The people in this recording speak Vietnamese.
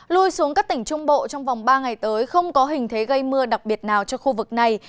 lui xuống các tỉnh trung bộ trong vòng ba ngày tới không có hình thế gây mưa đặc biệt nào cho khu vực này